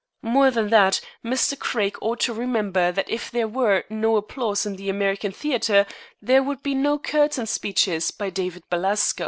More than that, Mr. Craig ought to remember that if there were no applause in the American theater there would be no curtain speeches by David Belasco.